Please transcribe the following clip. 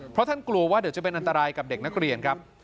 เพราะท่านกลัวว่าเดี๋ยวจะเป็นอันตรายกับเด็กนักเรียนครับ